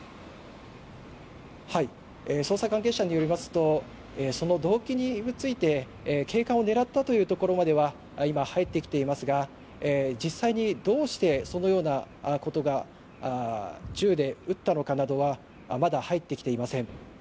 捜査関係者によりますとその動機について教官を狙ったというところまでは今、入ってきていますが実際にどうしてそのようなことが銃で撃ったのかなどはまだ入ってきていません。